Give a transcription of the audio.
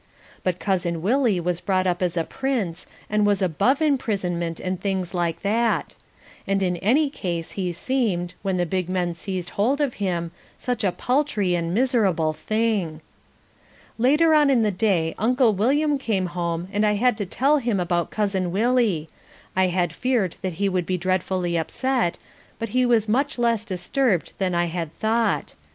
But Cousin Willie was brought up as a prince and was above imprisonment and things like that. And in any case he seemed, when the big men seized hold of him, such a paltry and miserable thing. Later on in the day Uncle William came home and I had to tell him all about Cousin Willie. I had feared that he would be dreadfully upset, but he was much less disturbed than I had thought.